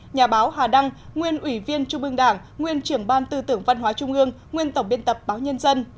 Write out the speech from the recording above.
nhà báo hà đăng nguyên ủy viên trung ương đảng nguyên trưởng ban tư tưởng văn hóa trung ương nguyên tổng biên tập báo nhân dân